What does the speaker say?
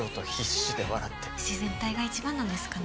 自然体が一番なんですかね。